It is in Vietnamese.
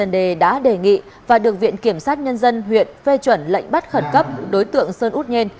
đề đã đề nghị và được viện kiểm sát nhân dân huyện phê chuẩn lệnh bắt khẩn cấp đối tượng sơn út nhen